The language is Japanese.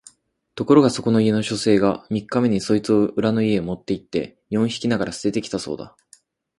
ところがそこの家の書生が三日目にそいつを裏の池へ持って行って四匹ながら棄てて来たそうだ